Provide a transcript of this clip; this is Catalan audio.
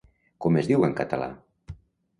Com es diu en català?